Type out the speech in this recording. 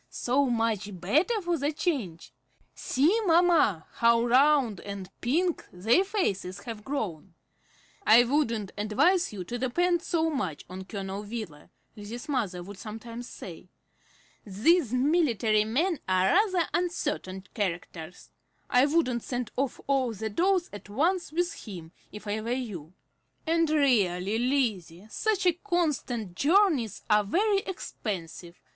So much better for the change! See, mamma, how round and pink their faces have grown!" "I wouldn't advise you to depend so much on Colonel Wheeler," Lizzie's mother would sometimes say. "These military men are rather uncertain characters. I wouldn't send off all the dolls at once with him, if I were you. And really, Lizzie, such constant journeys are very expensive.